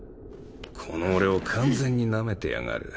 この俺を完全になめてやがる。